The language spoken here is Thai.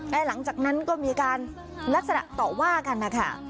และหลังจากนั้นก็มีการลักษณะต่อว่ากันนะคะ